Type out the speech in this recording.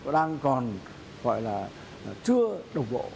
đang còn gọi là chưa đồng bộ